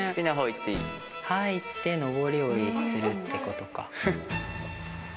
入って上り下りするってことか。